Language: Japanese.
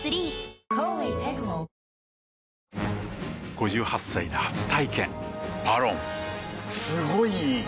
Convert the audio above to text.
５８歳で初体験「ＶＡＲＯＮ」すごい良い！